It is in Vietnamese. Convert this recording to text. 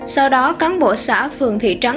sau đó cán bộ xã phường thị trấn